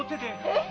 えっ！？